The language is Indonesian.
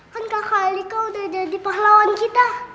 kan kakak alika udah jadi pahlawan kita